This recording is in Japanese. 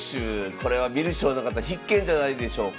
これは観る将の方必見じゃないでしょうか。